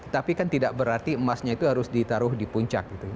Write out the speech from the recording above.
tapi kan tidak berarti emasnya itu harus ditaruh di puncak gitu ya